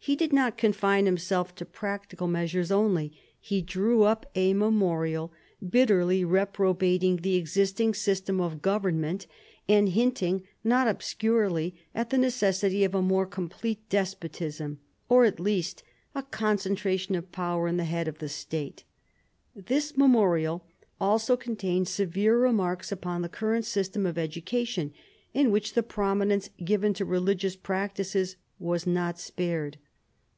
He did not confine himself to practical measures only. He drew up a mei: ^rial, bitterly reprobating the exist ing system of government, and hinting, not obscurely, at the necessity c more complete despotism, or at least a concentration of power in the head of the State. This memorial also contained severe remarks upon the current system of education, in which the prominence given to religious practices was not spared.